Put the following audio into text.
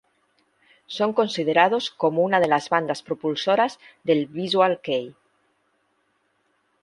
Son considerados como una de las bandas propulsoras del Visual kei.